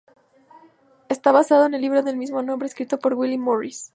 Está basada en el libro del mismo nombre, escrito por Willie Morris.